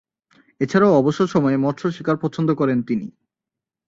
এছাড়াও, অবসর সময়ে মৎস্য শিকার পছন্দ করেন তিনি।